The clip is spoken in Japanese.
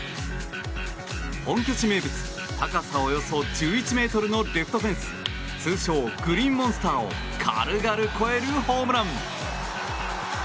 本拠地名物、高さおよそ１１ｍのレフトフェンス通称グリーンモンスターを軽々越えるホームラン！